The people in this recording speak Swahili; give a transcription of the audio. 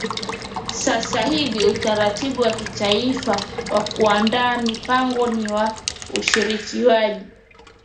Sasa hivi utaratibu wa kitaifa wa kuandaa mipango ni wa ushirikishwaji